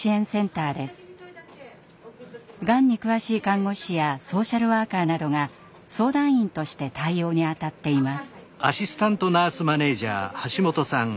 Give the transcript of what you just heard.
がんに詳しい看護師やソーシャルワーカーなどが相談員として対応に当たっています。